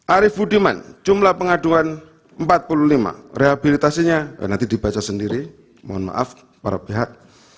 arief budiman jumlah pengaduan empat puluh lima rehabilitasinya nanti dibaca sendiri mohon maaf para pihak